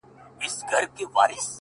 په زر چنده مرگ بهتره دی ـ